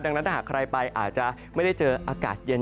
ดังนั้นถ้าหากใครไปอาจจะไม่ได้เจออากาศเย็น